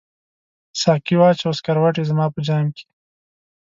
ساقي واچوه سکروټي زما په جام کې